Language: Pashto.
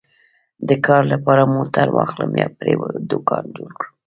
د کار لپاره موټر واخلم یا پرې دوکان جوړ کړم